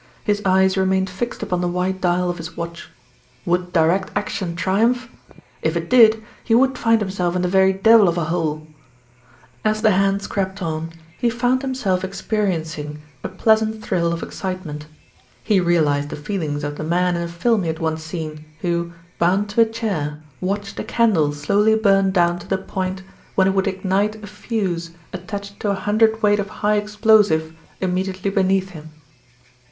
His eyes remained fixed upon the white dial of his watch. Would Direct Action triumph? If it did he would find himself in the very devil of a hole. THE GIRL AT THE WINDOW 19 As the hands crept on, he found himself experiencing a pleasant thrill of excitement. He realised the feel ings of the man in a film he had once seen who, bound to a chair, watched a candle slowly burn down to the point when it would ignite a fuse attached to a hun dredweight of High Explosive immediately beneath him.